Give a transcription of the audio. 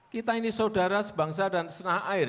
kita ini saudara sebangsa dan senah air